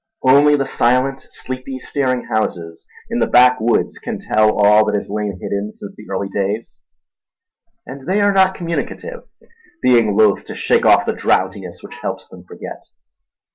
Only the silent, sleepy, staring houses in the backwoods can tell all that has lain hidden since the early days; and they are not communicative, being loath to shake off the drowsiness which helps them forget.